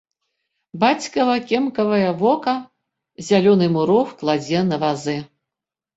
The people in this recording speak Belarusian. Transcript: Бацькава кемкае вока зялёны мурог кладзе на вазы.